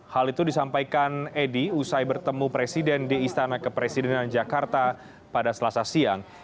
hal itu disampaikan edi usai bertemu presiden di istana kepresidenan jakarta pada selasa siang